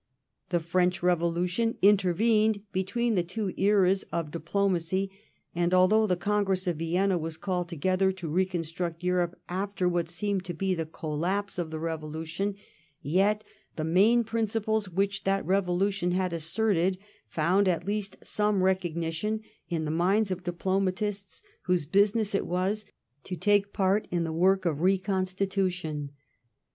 The French Eevolution intervened between the two eras of diplomacy, and although the Congress of Vienna was called together to reconstruct Europe after what seemed to be the collapse of the Eevolution, yet the main principles which that Eevolution had asserted found at least some recognition in the minds of diplomatists whose business it was to take part in the work of reconstitu* tion.